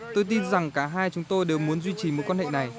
tôi tin rằng cả hai chúng tôi đều muốn duy trì mối quan hệ này